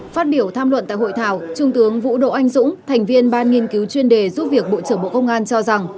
phát biểu tham luận tại hội thảo trung tướng vũ độ anh dũng thành viên ban nghiên cứu chuyên đề giúp việc bộ trưởng bộ công an cho rằng